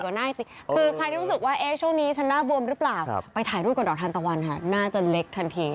จริงคือใครที่รู้สึกว่าช่วงนี้ฉันหน้าบวมหรือเปล่าไปถ่ายรูปกับดอกทานตะวันค่ะน่าจะเล็กทันที